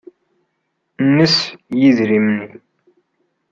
Nnes yidrimen-nni.